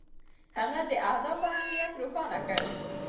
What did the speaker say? هغه د اهدافو اهمیت روښانه کړ.